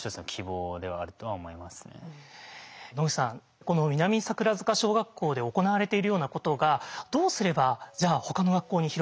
野口さんこの南桜塚小学校で行われているようなことがどうすればじゃあほかの学校に広がっていくのか。